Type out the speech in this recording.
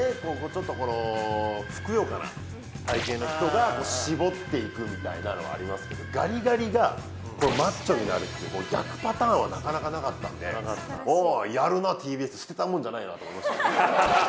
ちょっとこのふくよかな体形の人が絞っていくみたいなのはありますけどガリガリがマッチョになるって逆パターンはなかなかなかったんでおおやるなＴＢＳ捨てたもんじゃないなと思いましたね